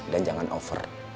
dan jangan over